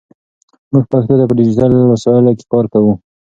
موږ پښتو ته په ډیجیټل وسایلو کې کار کوو.